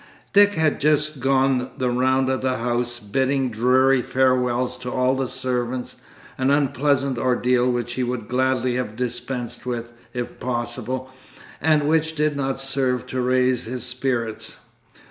Dick had just gone the round of the house, bidding dreary farewells to all the servants; an unpleasant ordeal which he would gladly have dispensed with, if possible, and which did not serve to raise his spirits.